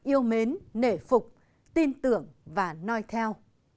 yêu mến nể phục tin tưởng và noi theo